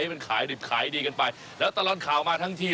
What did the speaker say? มันขายดิบขายดีกันไปแล้วตลอดข่าวมาทั้งที